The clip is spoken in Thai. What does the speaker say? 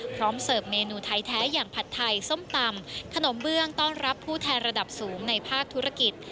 เสิร์ฟเมนูไทยแท้อย่างผัดไทยส้มตำขนมเบื้องต้อนรับผู้แทนระดับสูงในภาคธุรกิจ